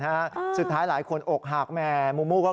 นาสักผ่านหลายคนก็กลับมาโอ์กหากแม่